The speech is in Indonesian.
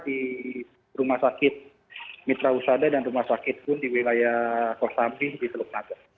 di rumah sakit mitra usada dan rumah sakit pun di wilayah kosambi di teluk naga